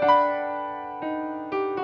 sampai jumpa lagi